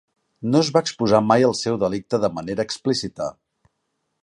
No es va exposar mai el seu delicte de manera explícita.